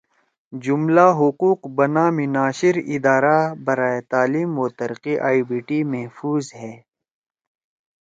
جملہ حقوق بہ نام ناشر ادارہ برائے تعلیم و ترقی (IBT) محفوظ ہیں